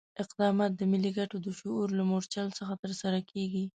اقدامات د ملي ګټو د شعور له مورچل څخه ترسره کېږي.